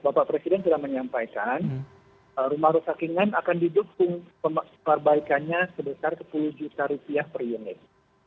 bapak presiden sudah menyampaikan rumah rusak ringan akan didukung perbaikannya sebesar sepuluh juta rupiah per unit